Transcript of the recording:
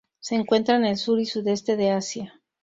Se encuentra en el sur y sudeste de Asia.